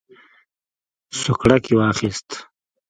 سوکړک یې واخیست.